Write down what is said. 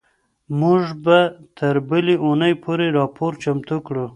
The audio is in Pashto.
موږ به تر بلې اونۍ پورې راپور چمتو کړو.